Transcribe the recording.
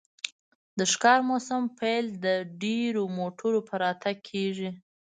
د ښکار موسم پیل د ډیرو موټرو په راتګ کیږي